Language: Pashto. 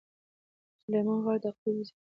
سلیمان غر د اقلیم یوه ځانګړتیا ده.